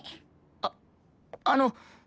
ああの。